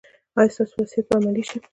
ایا ستاسو وصیت به عملي شي؟